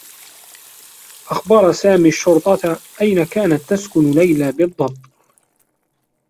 أخبر سامي الشّرطة أين كانت تسكن ليلى بالضّبط.